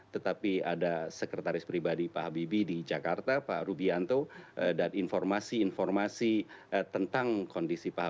tetapi ada sekretaris pribadi pak habibie di jakarta pak rubianto dan informasi informasi tentang kondisi pak habib